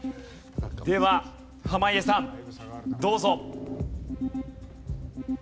では濱家さんどうぞ。